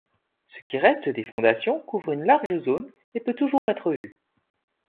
Ce qui reste des fondations couvre une large zone et peut toujours être vu.